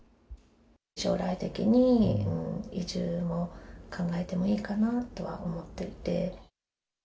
将来的に移住を考えてもいいかなとは思っていて。